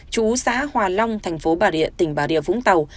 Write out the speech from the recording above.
trú xã hòa long tp bà rịa tỉnh bà rịa vũng tàu